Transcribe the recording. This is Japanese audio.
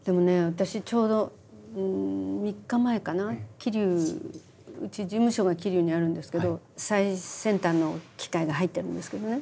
桐生うち事務所が桐生にあるんですけど最先端の機械が入ってるんですけどね。